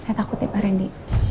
saya takut ya pak randy